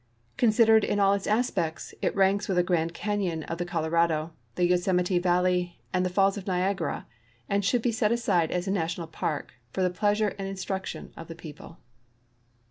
Consid ered in all its aspects, it ranks with the Grand Canyon of the Colorado, the Yoseraite valley, and the Falls of Niagara, and should be set aside as a National Park for the pleasure and in struction of the people.